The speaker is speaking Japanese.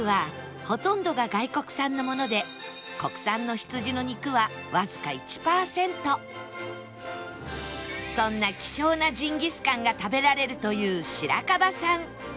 実はそんな希少なジンギスカンが食べられるという白樺さん